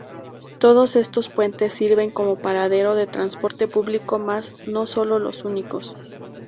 Todos estos puentes sirven como paradero de transporte público más no son los únicos.